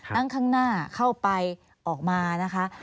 นั่งข้างหน้าเข้าไปออกมานะคะ